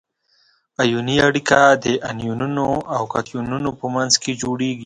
ایوني اړیکه د انیونونو او کتیونونو په منځ کې جوړیږي.